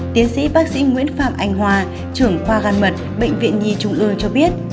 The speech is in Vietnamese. tiến sĩ bác sĩ nguyễn phạm anh hòa trưởng khoa gan mật bệnh viện nhi trung ương cho biết